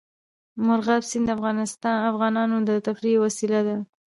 مورغاب سیند د افغانانو د تفریح یوه وسیله ده.